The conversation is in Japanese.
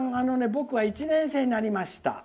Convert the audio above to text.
僕は１年生になりました。